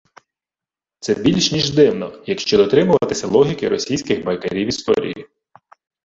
Це більш ніж дивно, якщо дотримуватися логіки російських «байкарів історії»